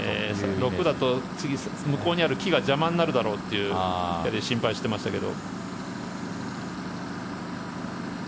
６だと今度、向こうにある木が邪魔になるだろうとキャディーは心配してましたけど。